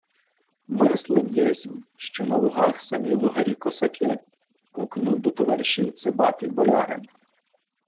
— Мислив єсмь, що на Лугах самі лугарі-косаки! — гукнув до товаришів цибатий болярин.